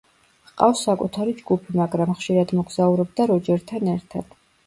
ჰყავს საკუთარი ჯგუფი, მაგრამ ხშირად მოგზაურობდა როჯერთან ერთად.